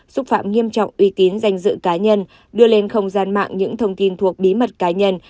xúc phạm nghiêm trọng uy tín danh dự cá nhân đưa lên không gian mạng những thông tin thuộc bí mật cá nhân